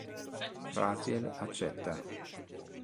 Raziel accetta.